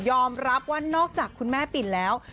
รับว่านอกจากคุณแม่ปิ่นแล้ว